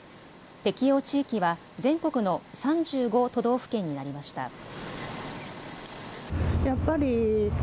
適用地域は全国の３５都道府県になりました。